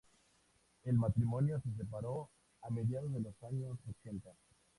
El matrimonio se separó a mediados de los años ochenta.